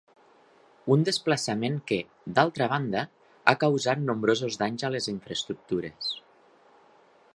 Un desplaçament que, d'altra banda, ha causat nombrosos danys a les infraestructures.